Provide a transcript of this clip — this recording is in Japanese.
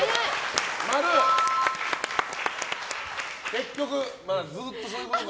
結局、まだずっとそういうことが。